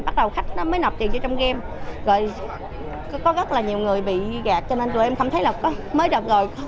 bắt đầu khách nó mới nạp tiền cho trong game rồi có rất là nhiều người bị gạt cho nên tụi em không thấy là mới đẹp rồi